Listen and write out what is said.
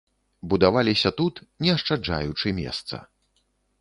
Будаваліся тут, не ашчаджаючы месца.